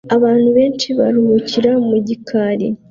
abantu benshi baruhukira mu gikari